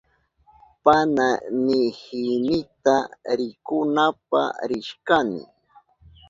Panamihinita rikunapa rishkani.